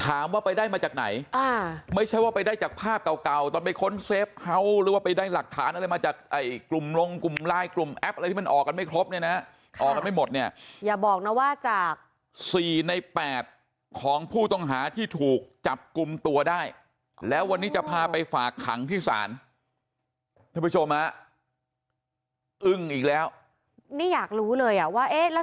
ถามว่าไปได้มาจากไหนอ่าไม่ใช่ว่าไปได้จากภาพเก่าเก่าตอนไปค้นเซฟเฮาส์หรือว่าไปได้หลักฐานอะไรมาจากไอ้กลุ่มลงกลุ่มไลน์กลุ่มแอปอะไรที่มันออกกันไม่ครบเนี่ยนะออกกันไม่หมดเนี่ยอย่าบอกนะว่าจากสี่ในแปดของผู้ต้องหาที่ถูกจับกลุ่มตัวได้แล้ววันนี้จะพาไปฝากขังที่ศาลท่านผู้ชมฮะอึ้งอีกแล้วนี่อยากรู้เลยอ่ะว่าเอ๊ะแล้ว